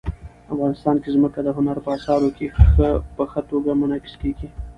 افغانستان کې ځمکه د هنر په اثار کې په ښه توګه منعکس کېږي.